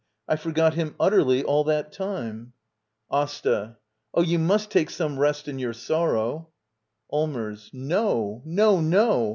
I forgot him utterly all that time. AsTA. Oh, but you must take scrnie rest in your sorrow. Allmers. No, no, no!